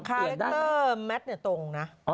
คาแรคเตอร์แมทตรงนะ